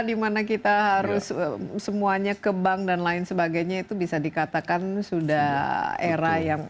dimana kita harus semuanya ke bank dan lain sebagainya itu bisa dikatakan sudah era yang